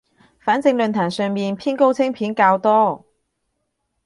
反正論壇上面偏高清片較多